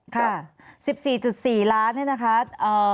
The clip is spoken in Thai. ค่ะ๑๔๔ล้านเนี่ยนะคะ